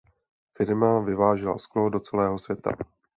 Firma vyvážela sklo do celého světa.